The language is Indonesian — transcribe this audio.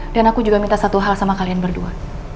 dan aku juga minta satu hal sama kalian berdua